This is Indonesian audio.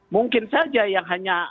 mungkin saja yang hanya